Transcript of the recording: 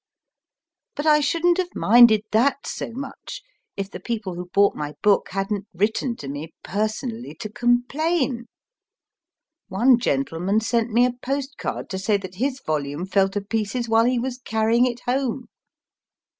But I shouldn t have minded that so much if the people who bought my book hadn t written to me personally to complain. One gentleman sent me a postcard to say that his volume fell to pieces while he was carrying it home.